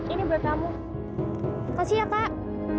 ini buat kamu kasih ya kak